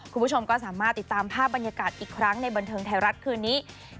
คุณผู้ชมก็สามารถติดตามภาพบรรยากาศอีกครั้งในบันเทิงไทยรัฐคืนนี้